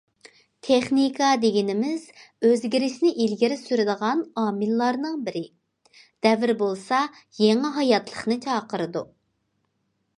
تېخنىكا دېگىنىمىز ئۆزگىرىشنى ئىلگىرى سۈرىدىغان ئامىللارنىڭ بىرى، دەۋر بولسا، يېڭى ھاياتلىقنى چاقىرىدۇ.